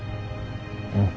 うん。